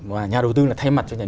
và nhà đầu tư là thay mặt